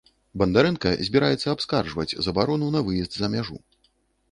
Бандарэнка збіраецца абскарджваць забарону на выезд за мяжу.